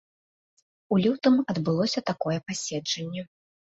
У лютым адбылося такое паседжанне.